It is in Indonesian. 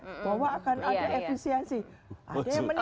bahwa akan ada efisiensi